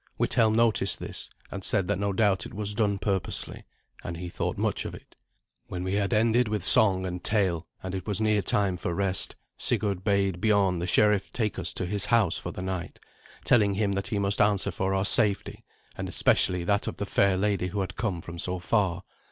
Withelm noticed this, and said that no doubt it was done purposely, and he thought much of it. When we had ended with song and tale, and it was near time for rest, Sigurd bade Biorn, the sheriff, take us to his house for the night, telling him that he must answer for our safety, and specially that of the fair lady who had come from so far.